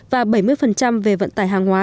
và bảy mươi về vận tài hàng hóa